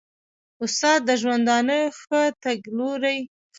استاد د ژوندانه ښه تګلوری ښيي.